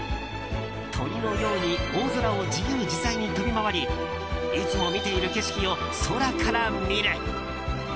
鳥のように大空を自由自在に飛び回りいつも見ている景色を空から見る。